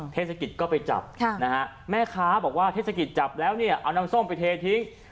เทศกิจก็ไปจับนะฮะแม่ค้าบอกว่าเทศกิจจับแล้วเนี่ยเอาน้ำส้มไปเททิ้ง